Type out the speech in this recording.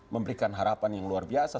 memberikan harapan yang luar biasa